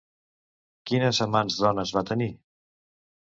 Quines amants dones va tenir?